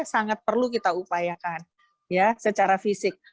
sangat perlu kita upayakan secara fisik